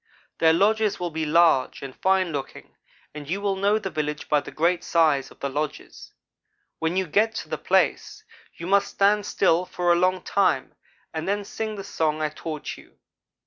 Their lodges will be large and fine looking and you will know the village by the great size of the lodges. When you get to the place, you must stand still for a long time, and then sing the song I taught you.